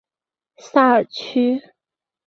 萨尔屈。